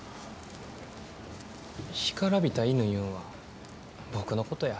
干からびた犬いうんは僕のことや。